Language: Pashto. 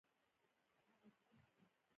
د ریګ دښتې د افغان کلتور سره تړاو لري.